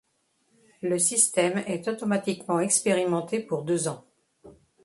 Le système est automatiquement expérimenté pour deux ans.